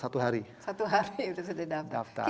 satu hari sudah didaftar